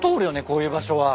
こういう場所は。